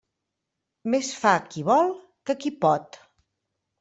Més fa qui vol que qui pot.